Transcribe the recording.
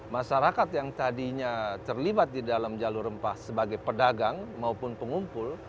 masyarakat yang tadinya terlibat di dalam jalur rempah sebagai pedagang maupun pengumpul